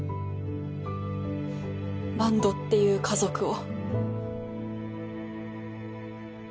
バンドっていう家族を。